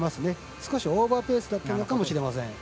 少しオーバーペースだったかもしれません。